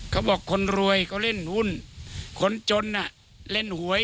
เขาบอกคนรวยเขาเล่นหุ้นคนจนอะเล่นหวย